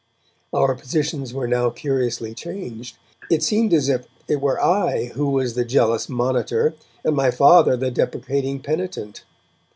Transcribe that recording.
Our positions were now curiously changed. It seemed as if it were I who was the jealous monitor, and my Father the deprecating penitent.